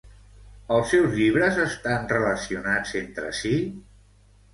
Els seus llibres estan relacionats entre sí?